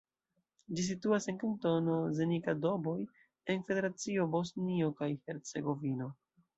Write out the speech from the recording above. Ĝi situas en Kantono Zenica-Doboj en Federacio Bosnio kaj Hercegovino.